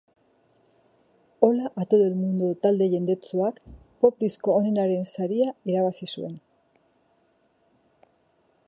Hola a todo el mundo talde jendetsuak pop disko onenaren saria irabazi zuen.